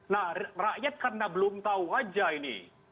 nah rakyat karena belum tahu aja ini